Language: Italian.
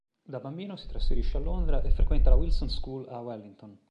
Da bambino si trasferisce a Londra e frequenta la "Wilson's School" a Wellington.